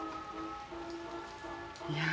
いや。